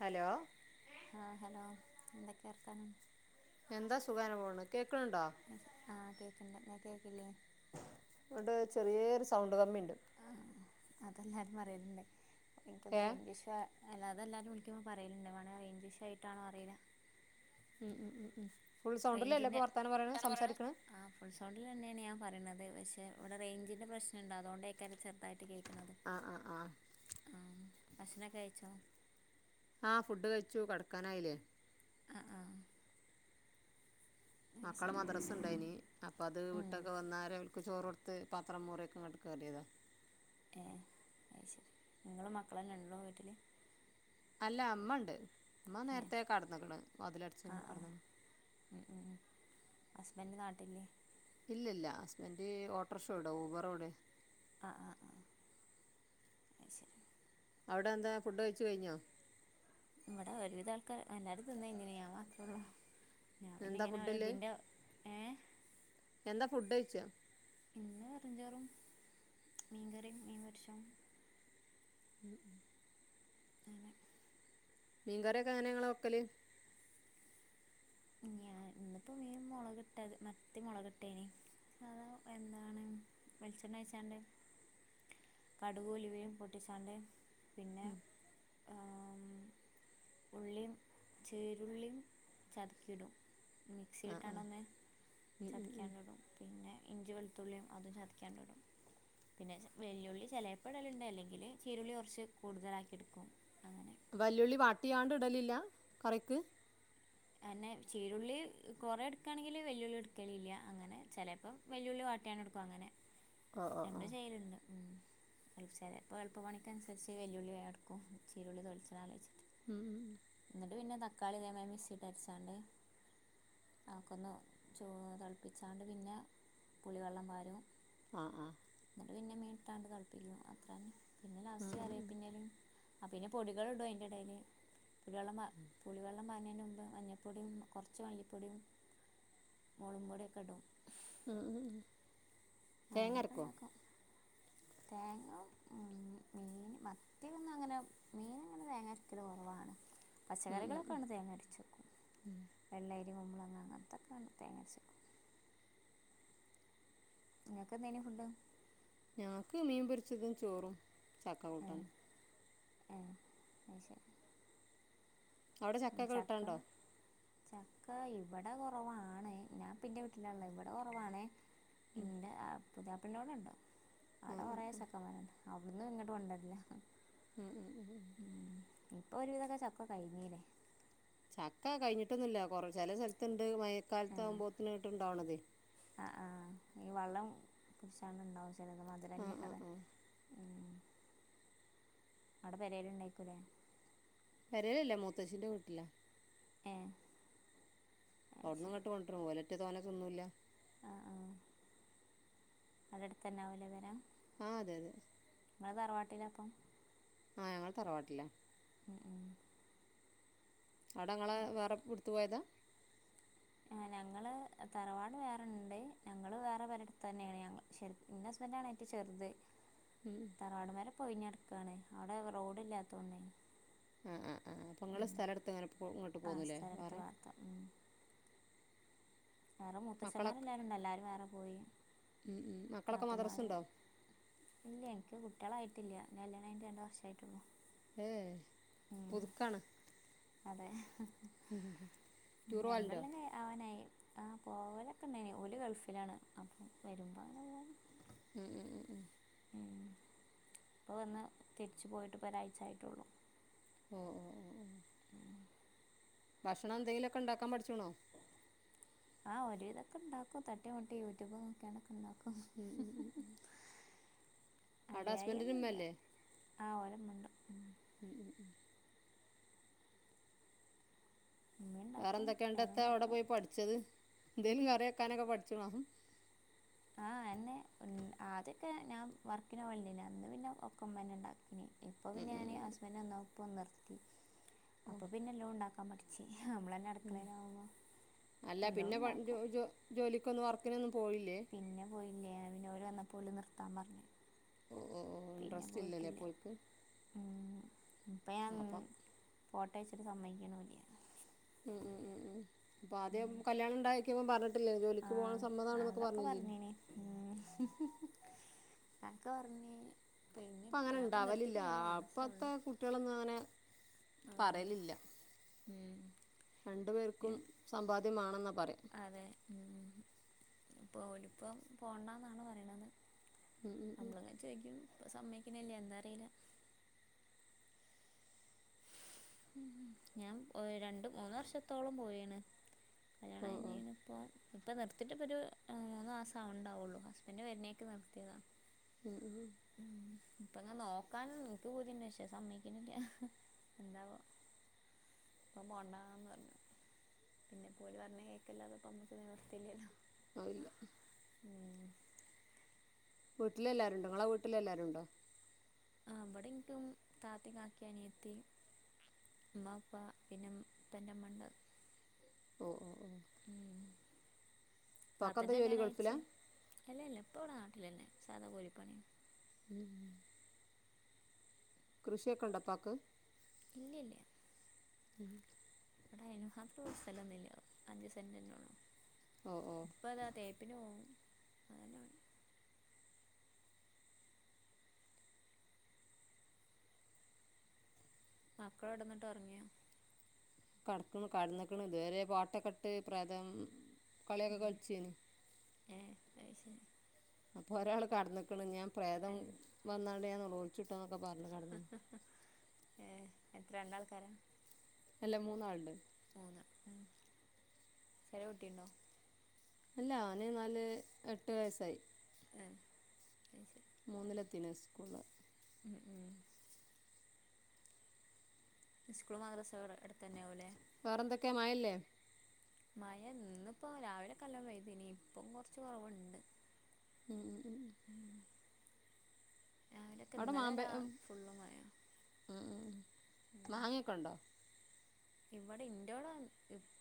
Hello ആ hello എന്തൊക്കെ വർതാനം എന്താ സുഖം അങ്ങനെ പോണ് കേൾക്ക്ണ് ണ്ടോ ആ കേക്ക്ണ്ട് ഇങ്ങക്ക് കേക്കില്ലേ ണ്ട് ചെറിയൊരു സൗണ്ട് കമ്മിണ്ട് ആ അതെല്ലാരും പറയില്ണ്ട് ഏ ഇൻകോന്ന്ണ് റെയ്ഞ്ച് ഇഷൂ അല്ല അതെല്ലാരും വിളിക്കുമ്പോ പറയലുണ്ട് വേണേ റേഞ്ച് ഇഷൂ ആയിട്ടാണോ അറിയില്ല ഉം ഉം ഫുൾ സൗണ്ടിലല്ലേ റേഞ്ചിൻ്റെ ഇപ്പം വർത്താനം പറയ്ണെ എന്താണ് പറയണേ സംസാരിക്ക്ണെ ആ ഫുൾ സൗണ്ടിലെന്നെയാണ് ഞാൻ പറയുത് പക്ഷേ ഇവിടെ റേഞ്ചിൻ്റെ പ്രശ്ന ഉണ്ട് അതുകൊണ്ടേക്കാരം ചെറുതായിട്ട് കേൾക്കന്നത് ആ ആ ആ ആഹ ഭക്ഷണൊക്കെ കഴിച്ചോ ആഹ് ഫുഡ് കഴിച്ചു കടക്കാനായിലെ ആ ആ അത് മക്കള് ശരി മദ്റസ് ഇണ്ടായീനി അപ്പോ അത് ഉം വിട്ടൊക്കെ വന്നാരെ അവർക്ക് ചോറ് കൊടുത്ത് പാത്രം മോറിയൊക്കെ ഇങ്ങട്ട് കയറിയതാ ഏ അത് ശെരി ഇങ്ങളും മക്കളും തന്നെ ഒള്ളൂ വീട്ടില് അല്ല അമ്മ ഇണ്ട് അമ്മ ഏ നേരത്തെ കടന്ന്ക്ക്ണ് വാതിലടച്ച് ആ ആ കടന്ന് ഉം ഉം ഹസ്ബൻഡ് നാട്ടിലില്ലേ ഇല്ല ല്ല ഹസ്ബൻഡ് ഓട്ടർഷ ഓടാ ഊബറോടെ ആ ആ അത് ശെരി അവടെ എന്താ ഫുഡ് കഴിച്ച് കഴിഞ്ഞോ ഇവിടെ ഒരുവിതം ആൾക്കാർ എല്ലാരും തിന്ന് കഴിഞ്ഞ്ക്ണ് ഞാൻ മാത്രള്ളൂ എന്താ ഫുഡില്ലേ ഏ എന്താ ഫുഡ് ചോയിച്ച ഇന്ന് വെറും ചോറും മീൻ കറിയും മീൻ പൊരിച്ചതും ഉം ഉം [inaudible] [unintelligible] അങ്ങനെ മീൻ കറിയൊക്കെ എങ്ങനെ ഇങ്ങള് വെക്കല് ഞാൻ ഇന്നിപ്പോ മീൻ മൊളക് ഇട്ട മത്തി മുളക്കിട്ടെയ്നി അത് എന്താണ് വെളിച്ചെണ്ണ ഒഴിച്ചാണ്ട് കടുവും ഉലുവിം പൊട്ടിച്ചാണ്ട് മ് ഏ ഉള്ളിം ചീറുള്ളിം ചതക്കിയിടും മിക്സി ഇട്ടാണ്ട് ഒന്ന് ചതക്കിയാണ്ട് ഇടും പിന്നെ ഇഞ്ചിം വെളുത്തുള്ളിയും അതും ചതിക്കിയാണ്ട് ഇടും പിന്നെ വെല്ലുള്ളി ചെലേപ്പം ഇടലുണ്ട് അല്ലെങ്കില് ചീരുള്ളികുറച്ച് കൂടുതലാക്കി എടുക്കും. അങ്ങനെ വല്യുള്ളി ളിവാട്ടിയാണ്ട് ഇടലില്ല കറിക്ക്? അതന്നെ ചീരുള്ളി കൊറെ ഇട്ക്കാണെങ്കില് വല്ലുള്ളി എടുക്കലില്ല അങ്ങനെ ചെലേപ്പം വെല്യുള്ളി വാട്ടിയാണ് എടുക്കും അങ്ങനെ ആ ആ ആ ഞങ്ങള് ചെയ്യലുണ്ട്. അപ്പോൾ എളുപ്പ പണിക്കനുസരിച്ച് വെല്ലുള്ളി വേം എടുക്കും ചീരുള്ളി തെലിക്കുന്നത് ആലോചിച്ചിട്ട് ഉം ഉം ഉം. എന്നിട്ട് പിന്നെ തക്കാളിയുംതേങ്ങായും മിക്സിയില് അരച്ചാണ്ട് ഞക്കൊന്ന് ചോറ് തള്പ്പിച്ചാണ്ട് പിന്നെ പുളിവെള്ളം പാരും. ആഹ് എന്നിട്ട് പിന്നെ മീട്ടാണ്ട് തിളപ്പിക്കും അത്രതന്നെ പിന്നെ ഉം ലാസ്റ്റ് ഉം ഉം. കരേപ്പിന്റെലേം ആഹ് പിന്നെ പൊടികൾ ഇടും അയ്ൻ്റെ എടയില് പുളിവെള്ളം പാ പുളിവെള്ളം പാര്ണേന് മുമ്പ് മഞ്ഞപ്പൊടിയും കുറച്ച് മല്ലിപ്പൊടിയും, മുളകും പൊടിയൊക്കെ ഇടും. ഉം തേങ്ങ അങ്ങനെയൊക്കെ അരക്കോ? ഉണ്ടാക്കും തേങ്ങ ഉം മീന് മത്തി ഒന്നും അങ്ങനെ മീനങ്ങനെ തേങ്ങ അരക്കല് കൊറവാ ഉം ഉം പച്ചക്കറികളൊക്കെ ഉം. ഉണ്ടെ തേങ്ങ അരച്ച് വെക്കും വെള്ളരി, കുമ്പളങ്ങ, അങ്ങനത്തൊക്കെ തേങ്ങ അരച്ച വെക്കും. ഇങ്ങക്ക് എന്തെനി ഫുഡ്? ഞങ്ങക്ക് മീൻ പൊരിച്ചതും, ചോറും, ചക്ക കൂട്ടാനും. ഏഹ് അഹ് ശരി. അവിടെ ചക്കയൊക്കെ ചക്ക കിട്ടാണ്ടോ ചക്ക ഇവിടെ കൊറവാണ് ഞാൻപ്പം ഇന്റെ വീട്ടിലാ ഉള്ളത് ഇവിടെ കൊറവാണ്. ഇന്റെ പുതിയാപ്പളന്റോടെണ്ട് ഉം അവിടെ ഉം കൊറേ ഉം. ചെക്കമരണ്ട്. അവിടുന്നു ഇങ്ങട്ട് കൊണ്ടു വരണ ഉം ഉം ഉം ഉം. ഇപ്പൊരു വിധൊക്കെ ചക്ക കഴിഞ്ഞിലേ. ചക്ക കഴഞ്ഞിട്ടൊന്നുല്ല കൊറേ ചെല സ്ഥല്ത്ത്ണ്ട് മയക്കാലത്ത് ആകുമ്പോത്തിന്ട്ട് ഇണ്ടാണത്. ആഹ് ആഹ് ഈ വള്ളം [unintelligible] ശാണ് ണ്ടാവും ചെലത് മധ് ആ ആ രല്ലാതെ ആ ഉം അവ്ടെ പെരേല് ഇണ്ടായിർക്കുല്ലേ പെരേലില്ല മൂത്തച്ചിന്റെ വീട്ട്ലാ. ഏഹ് അവ്ട്ങ്ങട്ട് കൊണ്ട്രും ഓലെറ്റെ തോന്നേ തിന്നൂല്ല. ആഹ് ആഹ് അടട് തെന്നാവുല്ലെ പെര. ആഹ് അതെ യതെ. ങ്ങള് തറവാട്ടിലാപ്പം? ആഹ് ഞങ്ങള് തറവാട്ടിലാ. ഉം ഉം ആടെങ്ങള് അത് വേറെ ശരി ഇട്ത്ത് പോയതാ? ങ്ങള് തറവാട് വേറെണ്ട് ഞങ്ങള് വേറെ പെരെട്ത്തെന്നെണ് ഞങ്ങ ശെര് ഇന്നസ്ബെൻ്റാണ് ഏറ്റും ചെറ്ത്. ഉം തറവാട്പെര ഇപ്പൊയിഞ്ഞട്ക്കാണ് അവ്ടെ റോഡില്ലാത്തോണ്ടേനി ഉം ഉം ഉം അപ്പങ്ങള് സ്ഥലട്ത്ത്ങ്ങനെ പോ ഇങ്ങട്ട് ആ പോന്നുല്ലേ സ്ഥലമെടുത്ത് വേറെ. വാർത്ത ഉം. വേറെ മുത്തച്ചമ്മാര് മക്കളൊക്കെ എല്ലാരുണ്ട് എല്ലാരും വേറെ പോയി ഉം ഉം മക്കളൊക്കെ മദ്രസ് നാത്തൂമാര് ഉണ്ടോ ഇല്ല്യ ഇൻക്ക് കുട്ട്യളായിട്ടില്ല. ഞാല്യാണഴിഞ്ഞിട്ട് രണ്ട് വർഷായിട്ടൊള്ളൂ. ഏഹ് പുതുക്കാണ്. അതെ ടൂർ പോവലുണ്ടോ രണ്ടൊല്ലക്കായ അവനായി ആഹ് പോവലൊക്കെണ്ട്യെനി ഓല് ഗൾഫിലാണ് അപ്പം വെരുമ്പങ്ങനെ പോവും. ഉം ഉം ഉം ഉം ഉം പ്പവന്ന് തിരിച്ച് പോയിട്ട് പ്പൊരാഴ്ച്ചായിട്ടുള്ളൂ ഓഹ് ഓഹ് ഉം [unintelligible] ഭക്ഷണം എന്തെങ്കിലൊക്കെണ്ടാക്കാൻ പഠ്ച്ച്ണോ? ആഹ്. ഒരു വിധൊക്കെണ്ടാക്കും തട്ടി മുട്ടി യൂട്യൂബ് നോക്യാണ്ടൊക്കെ ഉം ഉം [unintelligible] അവിടെ ഹസ്ബൻഡിന് അറിയായിന്നില്ല ഉമ്മയല്ലേ ആ ഓലമ്മണ്ട് ഉം ഉം ഉം ഉം ഉമ്മ വേറെ ഉണ്ടാക്കും എന്തൊക്കെണ്ട് ഞാനും എത്താ അവിടെ ഉണ്ടാക്കും പോയി പഠിച്ചത് എന്തേലും കറി വെക്കാനൊക്കെ പഠിചിണോ ആഹ് അന്നെ ആദ്യൊക്കെ ഞാൻ വർക്കിനോവൽണ്ടേനി. അന്ന് പിന്നെ ഒക്കമ്മന്നെ ഉണ്ടാക്കി ഇപ്പ പിന്നെ ഉം ഞാന് ഹസ്ബന്റ് വന്നൊപ്പം നിർത്തി അപ്പൊ പിന്നെ ലോൺണ്ടാ പം മട്ച്ചി നമ്മള ന്നെ ഉം അല്ല പിന്നെ പ ജോ ഉണ്ടാക്കും ജോ ജോലിക്കൊന്നു വർക്കിനൊന്നും പോയില്ലേ പിന്നെ പോയില്ല ഞാൻ. പിന്നോല് വന്നപ്പോല് നിർത്താൻ പറഞ്ഞ് ഓ ഓ ഓ പിന്നെ ഇൻട്രസ്റ്റ് ഇല്ലല്ലേ പോയിട്ടില്ല അപ്പോൾക്ക് ഉം ഇപ്പ ഞാൻ അപ്പം പോട്ടേയ്ച്ചിട്ട് സമ്മയ്ക്ക്ണുല്യ ഉം ഉം ഉം ഉം അപ്പാദ്യം കല്യാണംണ്ടായി [unintelligible] പറഞ്ഞിട്ടില്ലേ ജോലിക്ക് പോകൻ സമ്മതണെന്നൊ പറഞ്ഞില്ലേ ഉമ് കാക്ക പർഞ്ഞി പ്പം അങ്ങനെ ഉണ്ടാവലില്ല അപ്പോഴത്തെ കുട്ടികളൊന്നും അങ്ങനെ പറയലില്ല ഉമ് രണ്ടു പേർക്കും സമ്പാദ്യം മാണെന്നാ പറയാ അതെ ഉം ഇപ്പൊ ഓല് പ്പം പോണ്ടാന്നാണ് പറിണത് ഉം ഉം ഉം അമ്മള്ങ്ങനെ ചോയ്ക്കും. പ്പ സമ്മയ്ക്ക്ണില്ല. എന്താ അറീല ഉം ഞാൻ ഒ രണ്ട് മൂന്ന് വർഷത്തോളം പോയീണ് ഓഹ് ഓഹ് ഇപ്പം നിർത്തിട്ട ഇപ്പോൾ ഒരു മൂന്ന് മാസം ആവണ്ടാവയുള്ളൂ ഹസ്ബന്റ് വരുന്നേക്കെ നിർത്തിയതാണ് ഉമ് ഉമ് ഉം.. ഇപ്പങ്ങ നോക്കാനും ഇൻക്ക് പൂതി ണ്ട് പക്ഷെ സമ്മയ്ക്ക്ണില്യ എന്താവോ, പ്പം പോണ്ടാന്ന് പർഞ്ഞ് പിന്നെ പോ ഓല് പറഞ്ഞ കേൾക്കല്ലാതെപ്പൊ നമ്മുക്ക് നിവർത്തില്ലല്ലോ അഅ്ല്ല ഉം വീട്ടിലെല്ലാരുണ്ടോ ങ്ങളെ വീട്ടിലെല്ലാരുണ്ടോ? ആ ബടൻക്കും താത്തിം കാക്കി അനിയത്തി മ്മാ പ്പാ പിന്നെ പ്പൻ്റെ മ്മണ്ട് ഓ ഓ ഓ ഉം ഉപ്പാക് എന്താ താത്തൻ്റെ ജോലി കല്യാണം ഗൾഫില അയച്ച് അല്ല ഇല്ല ഇപ്പവിടെ നാട്ടിലന്നെ സാധാ കൂലി പണിയ ഉമ് കൃഷിയൊക്കെണ്ടൊപ്പാക്ക് ഇല്യ ല്യ ഉം ബടയ്നുംമാത്രള്ള സ്ഥലൊന്നുല്ല. അഞ്ച് സെന്റ്ന്നെള്ളു ഓ ഓ പ്പതാ തേപ്പിന് പോവും. അതന്നെ പണി മക്കള അടന്നിട്ട് ഉറങ്ങിയോ കടക്ക്ണ് കട്ന്ന്ക്ണ്. ഇതുവരെ പാട്ടൊക്കെ ഇട്ട് പ്രേതം കളിയൊക്കെ ഉം. കൾച്ചേനി ഏ അയ്ശരി. അപ്പൊ ഒരാള് കടന്ന്ക്കണ ഞാൻ പ്രേതം ഏ വന്നാണ്ട് ഞാൻനെലോളിച്ചിട്ടോ ന്നൊക്കെ പറഞ്ഞു കടന്നു. ഏ എത്ര രണ്ടാൾക്കാരാ? അല്ല മൂന്നാള്ണ്ട്. മൂന്ന് ചെറിയ കുട്ടിണ്ടോ? അല്ല അവന് നാല് എട്ട് വയസ്സായി. ഏ അയ്ശരി [inaudible] മൂന്നിലത്തിന് സ്കൂളില് ഉം ഉം സ്കൂളും മദ്രസവിടെ എ ട്ത്തന്നെ ആവുംല്ലേ വേറെന്തൊക്കെ മഴ ഇല്ലേ? മഴ ഇന്നിപ്പ രാവിലെക്കല്ലോം പെയ്തിന്ന് ഇനി ഇപ്പം കുറച്ച് കുറവുണ്ട്. ഉം ഉം ഉം രാവിലെയൊക്കെ അവിടെ ഇന്നലെ മാമ്പേ രാ ഉ ഉം ഫുള്ള് മഴയാ ഉം ഉം മാങ്ങൊക്കെ ണ്ടോ? ഇവിടെ ഇന്റോടെ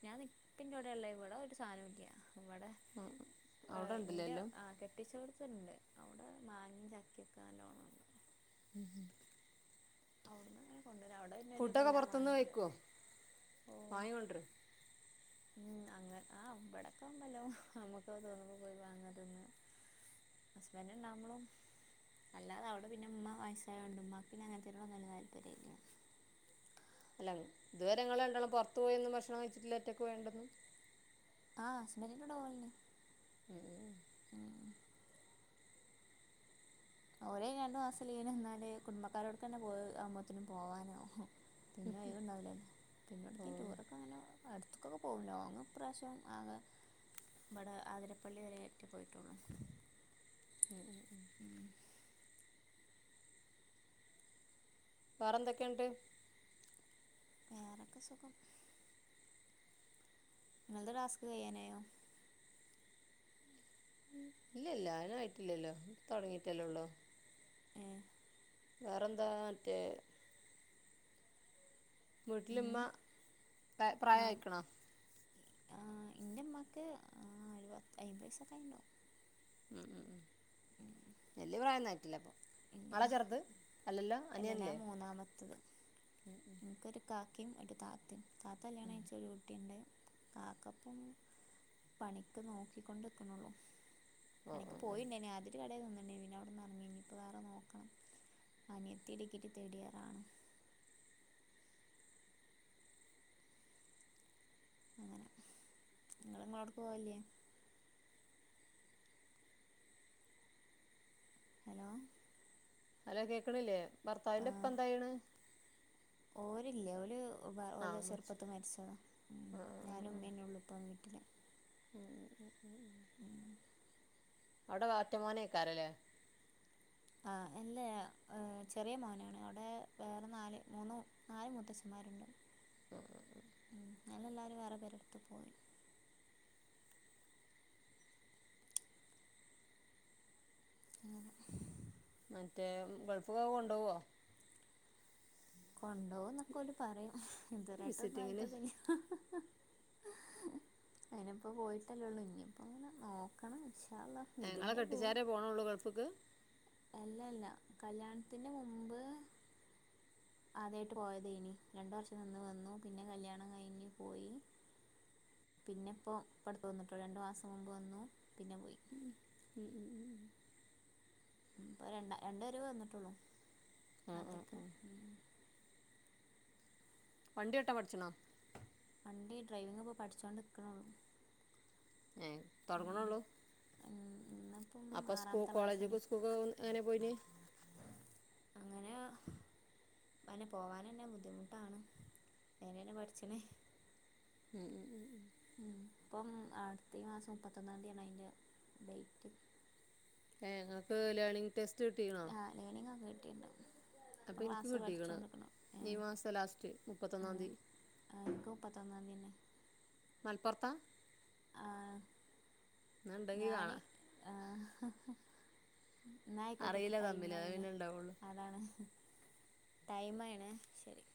ഞാൻ നിപ്പിന്റോടെല്ല ഇവിടെ ഒരു സായനോം ഇല്ല ഇവിടെ ഉം, ഉം. ആ അവിടെ ഉണ്ടല്ലോ ഇന്റെ എല്ലാം. ആ കെ കെട്ടിച്ചോടുത്തിണ്ട് അവിടെ മാങ്ങീം ചക്കൊക്കെ നല്ലോണംണ്ട്. [inaudible] അവിടുന്ന് അങ്ങനെ കൊണ്ട് വരാ അവിടെ ഒരു ഫുഡൊക്കെ ഇതെല്ലാം പുറത്തുന്ന് മാങ്ങയുണ്ട് കഴിക്കോ ഓ വാങ്ങിക്കൊണ്ട്ര്. ഉം അങ്ങനെ ആ ബടക്കമ്പല്ലോ നമ്മുക്ക് തോന്നുമ്പോ പോയി വാങ്ങാ തിന്നാ. ഹസ്ബന്റ് ണ്ടാവുമ്പളും അല്ലാതെ അവിടെ പിന്ന ഇമ്മ വയസ്സായോണ്ട് ഉമ്മാക്ക് പിന്നെ അങ്ങനത്തേനൊന്നും വല്യേ താല്പര്യംഇല്ല അല്ല ഇതുവരെ ങ്ങള് രണ്ടാളും പുറത്ത് പോയൊന്നും ഭക്ഷണം കഴിച്ചിട്ടില്ല ഒറ്റൊക്ക്‌ പോയോണ്ടന്നും. ആഹസ്ബന്റിന്റ്റകു ടെ പോവലിണ്ട്. ഉം ഉം ഉം ഓൽ അയിന് രണ്ടു മാസം ലീവിന് വന്നാൽ കുടുംബക്കാരോട് തന്നെ പോഅ് ആമ്പത്തിനും പോവാനാവും പിന്നെ ഒയിവ്‌ ഉണ്ടാവൂലല്ലോ പിന്നോടക്കേലും ടൂറൊക്കെ- അങ്ങനെ അടുത്തക്കൊക്കെ പോകും ലോങ്ങ് ഇപ്രാവശ്യം ആകെ ഇവിടെ ആതിരപ്പള്ളി വരെറ്റെ പോയിട്ടുള്ളു ഉം ഉം [inaudible] വേറെ എന്തൊക്കെ ന്നട്ട്. വേറൊക്കെ സുഖം. ഇങ്ങൾത് ടാസ്ക് കഴിയാനായോ? ഇല്ലല്ല ആയിന് ആയിട്ടില്ലല്ലോ ഇപ്പോ തുടങ്ങിയിട്ടല്ലേ ഉള്ളൂ. ഏ വേറെന്താമറ്റെ! വീട്ടിലിമ്മ ഉം ആ പ്രായം ആയിക്കണാ? ആ ഇന്റെമ്മക്ക് അഒരു പത്ത് അയമ്പത് വയസൊക്കെ ആയിട്ട്ണ്ടാവും. ഉം ഉം വല്യേ പ്രായൊന്നും ആയിറ്റില്ല അപ്പോ ഇല്ല ങ്ങളാ ചെറുത് അല്ലല്ലോ അല്ല അനിയൻല്ലേ? ഇക്കൊരു കാക്കീം, ഒരു താത്തീം താത്ത കല്യാണം കയിച്ചൊരു കുട്ടിയുണ്ട്. കാക്കപ്പം പണിക്ക് നോക്കിക്കൊണ്ടിക്കണൊള്ളു. ഓ പണിക്ക് ഓ ഓ പോയിണ്ടേനെ ആദ്യം. ഒരു കടയിൽ നിന്നിണ് പിന്നേ അവിടുന്ന് ഇറങ്ങിഇനിപ്പോ വേറെ നോക്കണം. അനിയത്തി ഡിഗ്രി തേർഡ് ഇയർ ആണ്. ഇങ്ങള് ഇങ്ങളോട്ക്ക്‌ പോവലില്ലേ? ഹലോ ഹലോ കേൾക്കണില്ലേ? ഭർത്താവിന്റെ ഇപ്പ എന്തയ്യണ്? ഓരില്ല ഓല് ആ ഓലെ മരിച്ചു ചെറുപ്പത്ത് മരിച്ചതാ ആ ആ ആ ഞാനും ആ മ്മന്നെ ഉള്ളൂ. ഇപ്പം വീട്ടില ഉം ആ. അവടെ വാർറ്റിമോനെക്കാരല്ലേ. ആഹ് അല്ല ആഹ് ചെറിയ മോനാണ്, അവിടെ വേറെ നാല് മൂന്ന് നാല് മുത്തച്ഛന്മാരുണ്ട്. ആ ഒല എല്ലാരും വേറെ പേരെട്ത്ത് പോയി. അങ്ങനെ മറ്റേ ഗൾഫ് ഒക്കെ കൊണ്ടൊകൊ കൊണ്ടുപോകുന്നൊക്കെ ഓര് പറയുന്നു ഇതുവരെയിട്ട് ഒന്നും വിസിറ്റിങ്ങിന് ആയിട്ടോന്നുല്ല. അയിന് ഇപ്പോ പോയിട്ടല്ലേ ഉള്ളൂ ഇനി ഇപ്പോ ഇങ്ങനെ നോക്കണം ഇൻഷാ അല്ലാള്. എ ഇങ്ങളെ കെട്ടിച്ചാരേ പോണോള്ളൂ ഗൾഫ്ക്ക്. അല്ലല്ല കല്യാണത്തിന്റെ മുമ്പ്. ആദ്യായിട്ട് പോയതെനി രണ്ടു വർഷം നിന്ന് വന്നു പിന്നെ കല്യാണം കഴിഞ്ഞ് പോയി. പിന്നെ ഇപ്പോ ഇപട്ത്ത് വന്ന്ട്ടോ രണ്ടു മാസം മുമ്പ് വന്നു പിന്നെ പോയി. ഉം ഉം ഇപ്പൊ രണ്ട രണ്ട് വരവ് വന്ന്ട്ടോള്ളൂ ആ ആ നാട്ടിക്ക് ആ ഉം. വണ്ടി ഓട്ടൻ പഠിച്ച്ണോ? വണ്ടി ഡ്രൈവിംഗ്പ്പോ പഠിച്ചോണ്ട് നിക്ക്ണോള്ളൂ. ഏ തൊടങ്ങ്ണോള്ളൂ. ഉം ഇന്ന. അപ്പൊ സ്കൂ കോളെജ്ക്കും ഉ സ്കൂൾക്കോൻ എങ്ങനെ പോയിന്. അങ്ങനെ അന്നെ പോകനന്നെ ബുദ്ധിമുട്ടാണ് അയ്നനെ മഠിച്ച്ണേ. ഉം അ പ്പം അടുത്തഈ മാസം മുപ്പത്തൊന്നാംതീയാണ് അയിൻ്റെ ഡേറ്റ്. എ ഇങ്ങക്ക് ലേണിംഗ് ടെസ്റ്റ് കിട്ടീണോ? തലയിണയും അന്ന് കിട്ടിയിട്ട് ഉണ്ടാവും. അപ്പൊ അപൊ ഇൻക്കും ക്ലാസ്സ് കിട്ടീക്ക്ണ് പഠിച്ചൊണ്ട്ക്ക്ണ് ഏ ഈ മാസം ലാസ്റ്റ് ആ. മുപ്പത്തൊന്നാം തീയതി ഞങ്ങക്ക് മുപ്പത്തിത്തൊന്നാംതീയന്നെ. മലപ്പോർത്താ. ആ എന്നാ ഇണ്ടെങ്കി ഞാന് കാണാ ആ ഹഹ. ന്നയിക്കോട്ടട്ടോ അറിയില്ല തമ്മില് അത് ടൈംയിണ് പിന്നെ ഇണ്ടാവുള്ളു അതാണ്. ടൈം മായിണ് ശെരി.